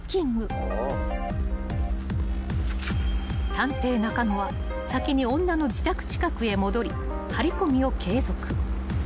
［探偵中野は先に女の自宅近くへ戻り張り込みを継続］